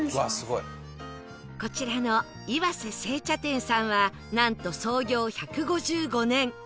こちらの岩瀬製茶店さんはなんと創業１５５年